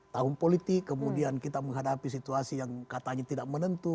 tahun politik kemudian kita menghadapi situasi yang katanya tidak menentu